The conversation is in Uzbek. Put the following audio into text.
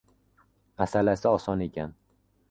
Masalasi oson ekan.